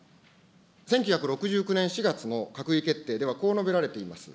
１９６９年４月の閣議決定では、こう述べられています。